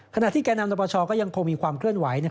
ขณะที่แก่นำนปชก็ยังคงมีความเคลื่อนไหว